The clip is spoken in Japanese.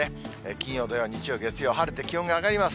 金曜、土曜、日曜、月曜、晴れて気温が上がります。